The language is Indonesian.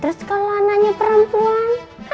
terus kalau anaknya perempuan